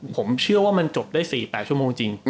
ผมเชื่อว่ามันจบได้๔๘ชั่วโมงจริง